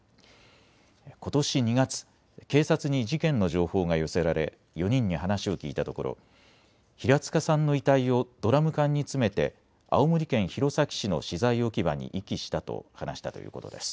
ことし２月、警察に事件の情報が寄せられ４人に話を聞いたところ、平塚さんの遺体をドラム缶に詰めて青森県弘前市の資材置き場に遺棄したと話したということです。